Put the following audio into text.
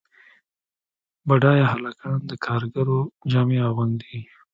بډایه هلکان د کارګرو جامې اغوندي.